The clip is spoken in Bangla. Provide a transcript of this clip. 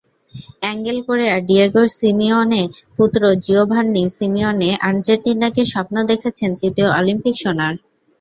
অ্যাঙ্গেল কোরেয়া, ডিয়েগো সিমিওনে-পুত্র জিওভান্নি সিমিওনে আর্জেন্টিনাকে স্বপ্ন দেখাচ্ছেন তৃতীয় অলিম্পিক সোনার।